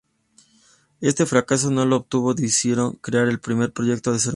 Este fracaso no los detuvo, decidieron crear el primer proyecto de ser humano.